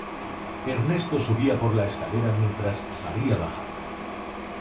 Ernesto subía por la escalera mientras María bajaba.